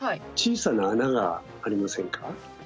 小さな穴がありませんか？